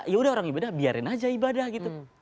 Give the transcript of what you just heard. yaudah orang ibadah biarin aja ibadah gitu